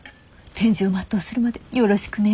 天寿を全うするまでよろしくね。